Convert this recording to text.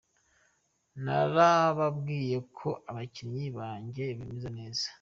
Narababwiye ko abakinyi banje bameze neza.